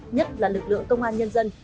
nhất là lực lượng công an nhân dân